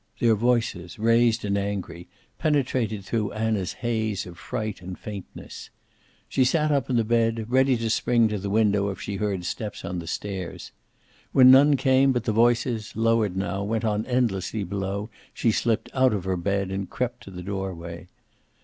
Their voices, raised and angry, penetrated through Anna's haze of fright and faintness. She sat up in the bed, ready to spring to the window if she heard steps on the stairs. When none came, but the voices, lowered now, went on endlessly below, she slipped out of her bed and crept to the doorway.